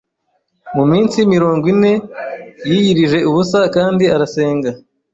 Mu minsi mirongo ine yiyirije ubusa kandi arasenga.